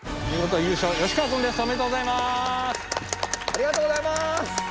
ありがとうございます！